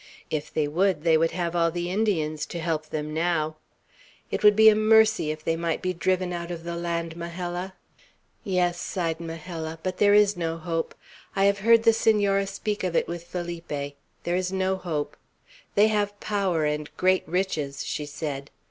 If they would, they would have all the Indians to help them, now. It would be a mercy if they might be driven out of the land, Majella." "Yes," sighed Majella. "But there is no hope. I have heard the Senora speak of it with Felipe. There is no hope. They have power, and great riches, she said.